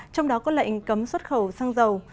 trong đó có lệnh cấm xuất khẩu xăng dầu